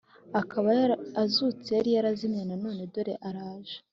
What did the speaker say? akaba azutse yari yarazimiye none dore araje